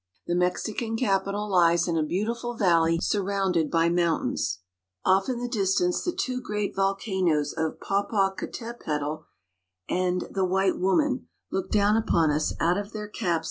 The Mexican capital lies in a beautiful valley surrounded by mountains. Off in the dis tance, the two great volcanoes of Popocatepetl and the White Woman look down upon us out of their caps of THE CAPITAL CITY.